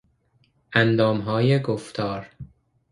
اندامهای گفتار